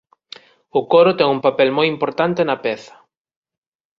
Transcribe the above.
O coro ten un papel moi importante na peza.